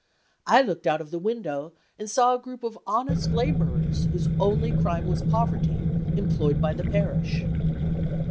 I looked out of the window and saw a group of honest laborers (whose only crime was poverty) employed by the parish!